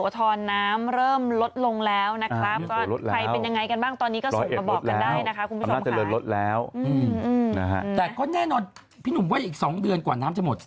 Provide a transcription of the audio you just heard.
แต่ก็แน่นอนพี่หนุ่มว่าอีก๒เดือนกว่าน้ำจะหมด